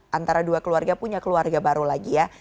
dan bisa antara dua keluarga punya keluarga baru lagi ya